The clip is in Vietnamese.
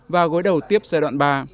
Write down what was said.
và gối đầu tiếp giai đoạn ba